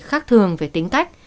khác thường về tính cách